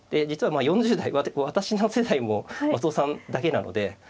実は４０代私の世代も松尾さんだけなので。